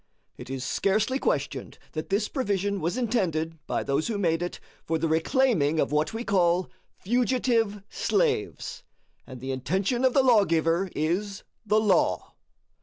It is scarcely questioned that this provision was intended by those who made it for the reclaiming of what we call fugitive slaves; and the intention of the lawgiver is the law.